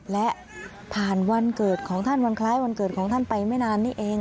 และผ่านวันเกิดของท่านวันคล้ายวันเกิดของท่านไปไม่นานนี่เอง